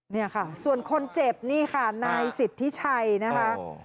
นี่ค่ะส่วนคนเจ็บนี่ค่ะนายสิทธิชัยนะคะ